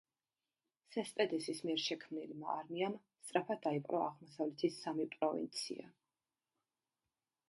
სესპედესის მიერ შექმნილმა არმიამ სწრაფად დაიპყრო აღმოსავლეთის სამი პროვინცია.